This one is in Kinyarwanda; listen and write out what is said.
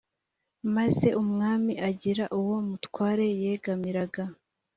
maze umwami agira uwo mutware yegamiraga